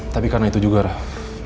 tapi karena itu juga rah